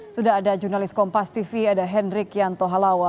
sudah ada jurnalis kompas tv ada hendrik yanto halawa